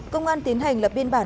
công an tiến hành lập biên tập